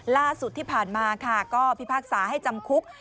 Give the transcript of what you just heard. ล่าสุดที่ผ่านมาค่ะก็พิพากษาให้จำคุก